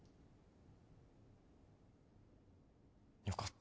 よかった。